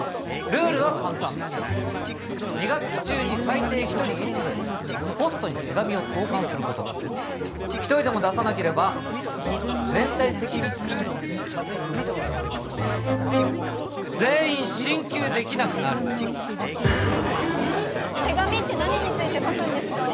ルールは簡単２学期中に最低１人１通ポストに手紙を投かんすること１人でも出さなければ連帯責任として全員進級できなくなる手紙って何について書くんですか？